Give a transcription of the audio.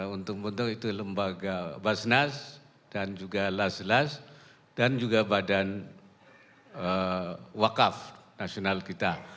untung untung itu lembaga basnas dan juga laslas dan juga badan wakaf nasional kita